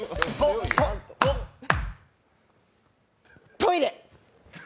トイレ。